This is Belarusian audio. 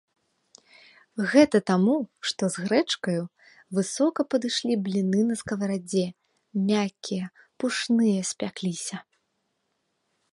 Гэта таму, што з грэчкаю, высока падышлі бліны на скаварадзе, мяккія, пушныя спякліся.